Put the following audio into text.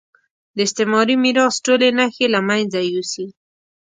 د استعماري میراث ټولې نښې له مېنځه یوسي.